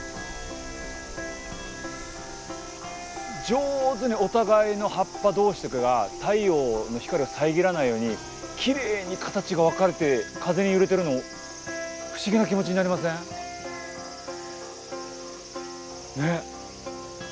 上手にお互いの葉っぱ同士が太陽の光を遮らないようにきれいに形が分かれて風に揺れてるの不思議な気持ちになりません？ね！